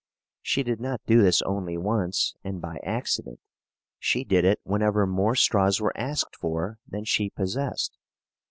She did not do this only once, and by accident. She did it whenever more straws were asked for than she possessed.